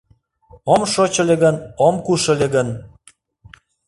Ом шоч ыле гын, ом куш ыле гын